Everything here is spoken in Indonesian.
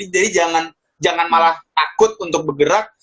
jadi jangan malah takut untuk bergerak